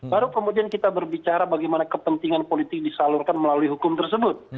baru kemudian kita berbicara bagaimana kepentingan politik disalurkan melalui hukum tersebut